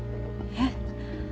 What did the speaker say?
えっ？